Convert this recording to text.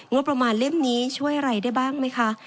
งบประมาณเล่มนี้ช่วยอะไรได้บ้างไหมคะ